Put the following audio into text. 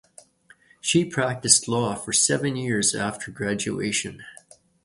She practiced law for seven years after graduation.